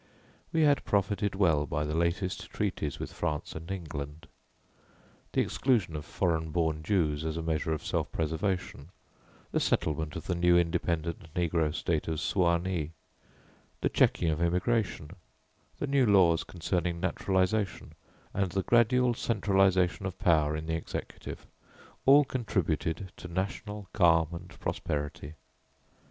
We had profited well by the latest treaties with France and England; the exclusion of foreign born Jews as a measure of self preservation, the settlement of the new independent negro state of Suanee, the checking of immigration, the new laws concerning naturalization, and the gradual centralization of power in the executive all contributed to national calm and prosperity.